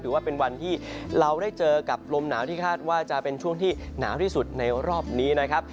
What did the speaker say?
วันที่เราได้เจอกับลมหนาวที่คาดว่าจะเป็นช่วงที่หนาวที่สุดในรอบนี้นะครับ